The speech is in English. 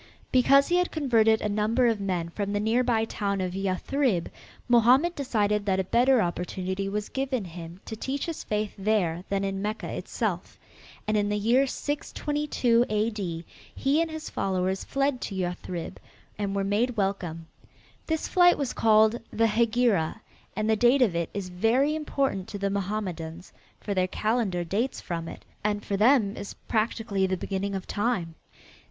Because he had converted a number of men from the nearby town of Yathrib, Mohammed decided that a better opportunity was given him to teach his faith there than in Mecca itself, and in the year 622 A.D., he and his followers fled to Yathrib and were made welcome. This flight was called the "Hegira," and the date of it is very important to the Mohammedans, for their calendar dates from it, and for them is practically the beginning of time.